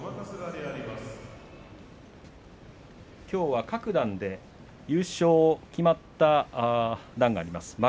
きょうは各段で優勝が決まった段があります。